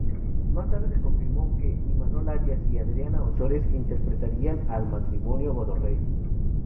Más tarde se confirmó que Imanol Arias y Adriana Ozores interpretarían al matrimonio "Godó-Rey".